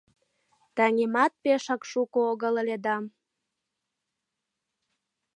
Таҥемат пешак шуко огыл ыле да